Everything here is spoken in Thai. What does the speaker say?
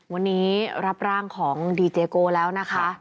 วันนี้รับร่างของดีเจโกแล้วนะคะ